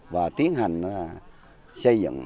và tiến hành xây dựng